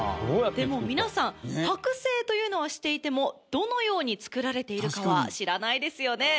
でも皆さんはく製というのは知っていてもどのように作られているかは知らないですよね。